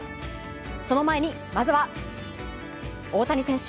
その前にまずは大谷選手。